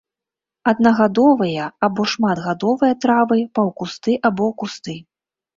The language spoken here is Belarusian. Аднагадовыя або шматгадовыя травы, паўкусты або кусты.